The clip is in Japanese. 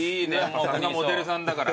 さすがモデルさんだから。